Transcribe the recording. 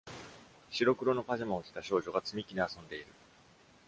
シロクマのパジャマを着た少女が積み木で遊んでいる。